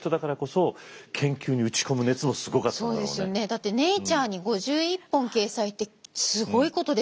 だって「ネイチャー」に５１本掲載ってすごいことですからね。